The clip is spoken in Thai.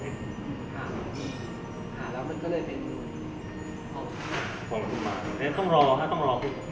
มันประกอบกันแต่ว่าอย่างนี้แห่งที่